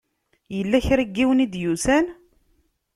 Yella kra n yiwen i d-yusan?